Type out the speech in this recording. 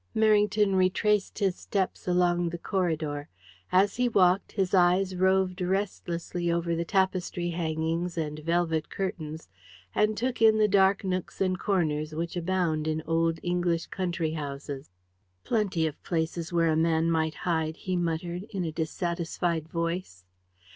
Merrington retraced his steps along the corridor. As he walked, his eyes roved restlessly over the tapestry hangings and velvet curtains, and took in the dark nooks and corners which abound in old English country houses. "Plenty of places here where a man might hide," he muttered, in a dissatisfied voice.